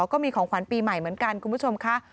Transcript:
ก็มีของขวัญปีใหม่เหมือนกันคุณผู้ชมค่ะ